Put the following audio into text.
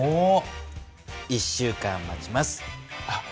１週間待ちます。